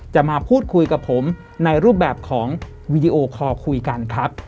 มาพูดคุยกับผมในรูปแบบของวีดีโอคอลคุยกันครับ